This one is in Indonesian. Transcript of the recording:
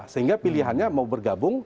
sehingga pilihannya mau bergabung